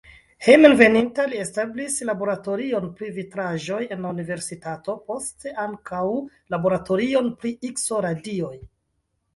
Hejmenveninta li establis laboratorion pri vitraĵoj en la universitato, poste ankaŭ laboratorion pri Ikso-radioj.